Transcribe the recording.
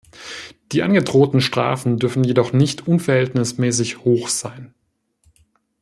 Die angedrohten Strafen dürfen jedoch nicht unverhältnismäßig hoch sein.